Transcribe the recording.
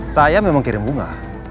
saya memang kirim bunga